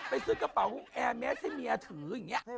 ซื้อกระเป๋าแอร์เมสให้เมียถืออย่างนี้